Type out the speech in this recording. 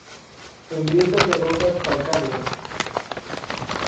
En grietas de rocas calcáreas.